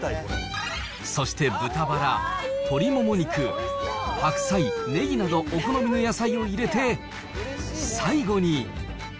そして豚バラ、鶏もも肉、白菜、ねぎなどお好みの野菜を入れて、最後に。